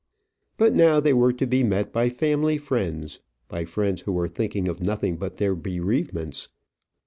But now they were to be met by family friends by friends who were thinking of nothing but their bereavements.